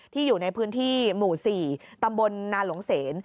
อยู่ในพื้นที่หมู่๔ตำบลนาหลงเสน